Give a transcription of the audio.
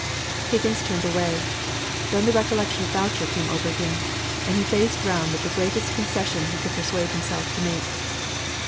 Higgins turned away: then the recollection of Boucher came over him, and he faced round with the greatest concession he could persuade himself to make.